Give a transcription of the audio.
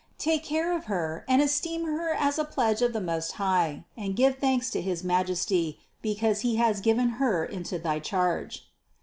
Take care of her and esteem her as a pledge of the most High and give thanks to his Majesty, because he has given her into thy charge."